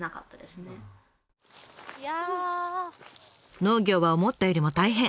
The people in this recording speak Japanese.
農業は思ったよりも大変。